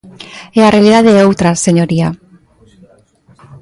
E a realidade é outra, señoría.